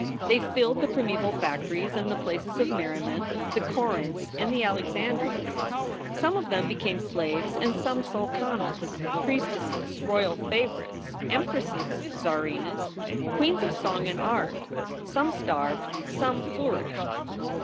They filled the primeval factories and the places of merriment, the Corinths and Alexandrias. Some of them became slaves and some sultanas, priestesses, royal favorites, empresses, tsarinas, queens of song and art. Some starved, some flourished.